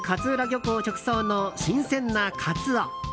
漁港直送の新鮮なカツオ。